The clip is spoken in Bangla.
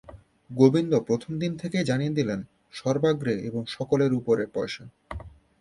গোবিন্দ প্রথম দিন থেকেই জানিয়ে দিলেন, সর্বাগ্রে এবং সকলের উপরে পয়সা।